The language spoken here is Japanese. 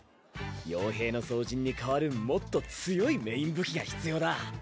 傭兵の双刃に代わるもっと強いメイン武器が必要だ。